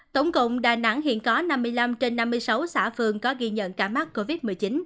tổng cộng đà nẵng hiện có năm mươi năm trên năm mươi sáu xã phường có ghi nhận ca mắc covid một mươi chín